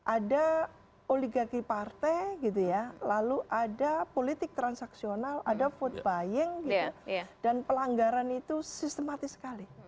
ada oligarki partai gitu ya lalu ada politik transaksional ada vote buying gitu dan pelanggaran itu sistematis sekali